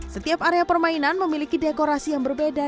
setiap area permainan memiliki dekorasi yang berbeda